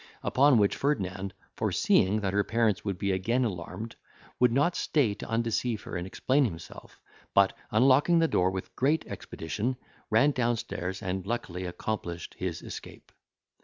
Upon which Ferdinand, foreseeing that her parents would be again alarmed, would not stay to undeceive her and explain himself, but, unlocking the door with great expedition, ran downstairs, and luckily accomplished his escape.